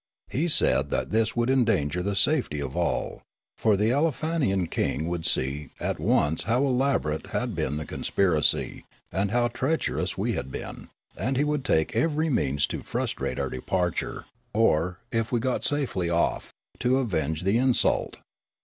He said that this would endanger the safety of all, for the Aleofanian king would see at once how elaborate had been the conspiracy and how treacherous we had been, and he would take every means to frustrate our departure, or, if we got safely off, to avenge the insult.